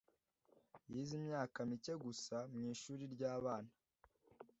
Yize imyaka mike gusa mu ishuri ry’abana